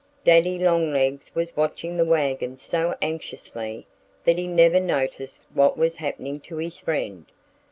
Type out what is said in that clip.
Daddy Longlegs was watching the wagon so anxiously that he never noticed what was happening to his friend.